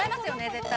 絶対。